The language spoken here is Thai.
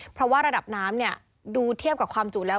เพราะว่าระดับน้ำดูเทียบกับความจุแล้ว